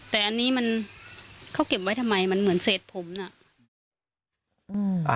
แต่อันนี้มันเขาเก็บไว้ทำไมมันเหมือนเศษผมน่ะ